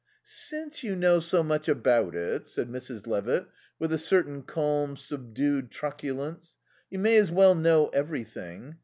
"Since you know so much about it," said Mrs. Levitt with a certain calm, subdued truculence, "you may as well know everything.